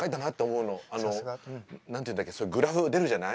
さすが。何て言うんだっけグラフ出るじゃない。